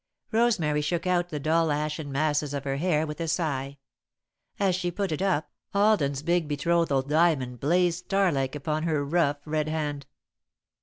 Rosemary shook out the dull ashen masses of her hair with a sigh. As she put it up, Alden's big betrothal diamond blazed star like upon her rough, red hand.